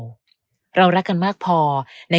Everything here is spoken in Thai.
การใช้ชีวิตคู่ไม่มีใครสมบูรณ์แบบนะแม้แต่เรา